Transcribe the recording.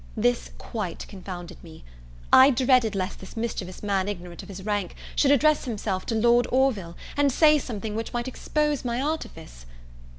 This quite confounded me. I dreaded lest this mischievous man ignorant of his rank, should address himself to Lord Orville, and say something which might expose my artifice.